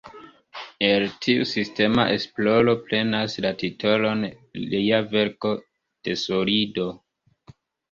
El tiu sistema esploro prenas la titolon lia verko "De solido".